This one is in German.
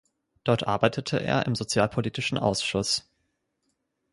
Dort arbeitete er im sozialpolitischen Ausschuss.